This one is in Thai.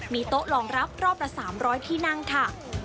มีโต๊ะรองรับรอบละ๓๐๐ที่นั่งค่ะ